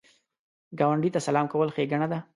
ګاونډي ته سلام کول ښېګڼه ده